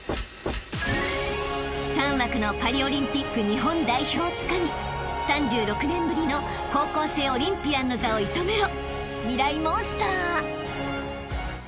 ［３枠のパリオリンピック日本代表をつかみ３６年ぶりの高校生オリンピアンの座を射止めろ！］